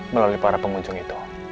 melalui para pengunjung itu